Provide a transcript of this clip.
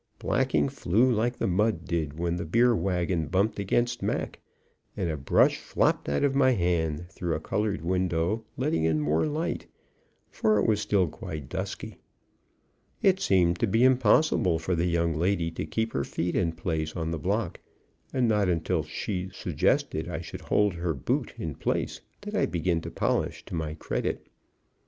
Blacking flew like the mud did when the beer wagon bumped against Mac, and a brush flopped out of my hand through a colored window, letting in more light, for it was still quite dusky. It seemed to be impossible for the young lady to keep her feet in place on the block, and not until she suggested I should hold her boot in place did I begin to polish to my credit.